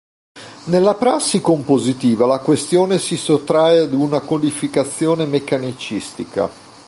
Nella prassi compositiva la questione si sottrae ad una codificazione meccanicistica.